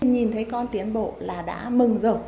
nhìn thấy con tiến bộ là đã mừng rồi